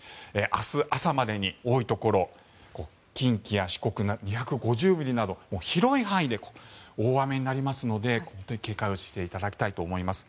明日朝までに多いところ近畿や四国、２５０ミリなど広い範囲で大雨になりますので本当に警戒をしていただきたいと思います。